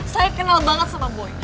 saya kenal banget sama boy